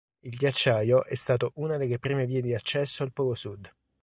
Il ghiacciaio è stato una delle prime vie di accesso al Polo sud.